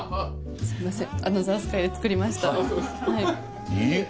・すいません。